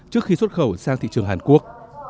trước khi xuất khẩu sang thị trường hàn quốc